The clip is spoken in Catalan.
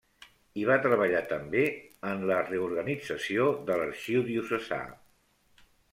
Hi va treballar també en la reorganització de l'arxiu diocesà.